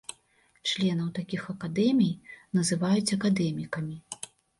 Членаў такіх акадэмій называюць акадэмікамі.